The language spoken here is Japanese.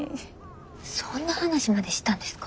そんな話までしたんですか？